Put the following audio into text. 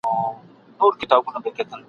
چي د اوښکو په ګودر کي د ګرېوان کیسه کومه ..